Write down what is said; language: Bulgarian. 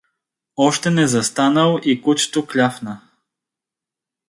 Още незастанал, и кучето кляфна.